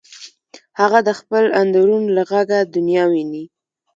هغه د خپل اندرون له غږه دنیا ویني